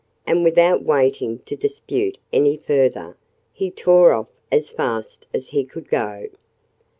And without waiting to dispute any further, he tore off as fast as he could go.